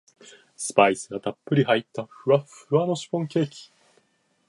スパイスがたっぷり入ったふわふわのシフォンケーキ